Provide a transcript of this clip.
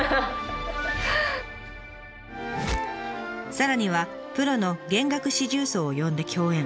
さらにはプロの弦楽四重奏を呼んで共演。